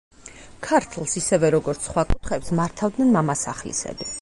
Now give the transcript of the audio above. ქართლს ისევე როგორც სხვა კუთხეებს მართავდნენ მამასახლისები.